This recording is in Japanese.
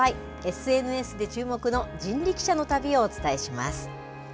ＳＮＳで注目の人力車の旅をお伝えします。